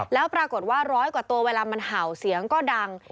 แล้วปรากฏว่าร้อยกว่าตัวเวลามันเห่าเสียงก็ดัง